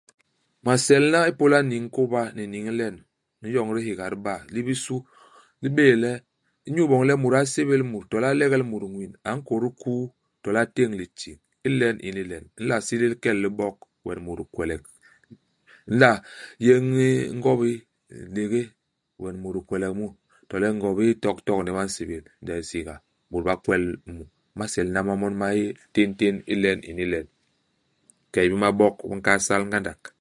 Maselna ipôla niñ i kôba ni niñ i len, me n'yoñ dihéga diba. Li bisu, li bé'é le, inyu iboñ le mut a sébél mut, to le a legel mut ñwin, a nkôt hikuu to le a téñ litiñ. Ilen ini len, u nla sélél key i libok, we ni mut ni kwelek. U nla yéñ nn ngobi i hilégé, we ni mut ni kwelek mu, to le ngobi toktok ini ba nsébél, ndes i nsinga, bôt ba kwel mu. Imaselna ma mon ma yé téntén ilen ini len. Bikey bi mabok bi nkahal sal ngandak.